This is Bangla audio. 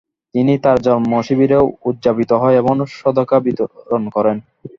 তিনি তাঁর জন্ম শিবিরে উদযাপিত হয় এবং সদকা বিতরণ করেন।